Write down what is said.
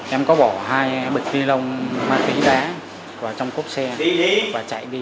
em có bỏ hai bịch tia lông ma túy đá vào trong cốc xe và chạy đi